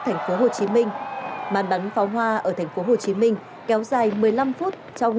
thành phố hồ chí minh màn bắn pháo hoa ở thành phố hồ chí minh kéo dài một mươi năm phút trong